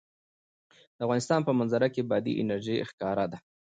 د افغانستان په منظره کې بادي انرژي ښکاره ده.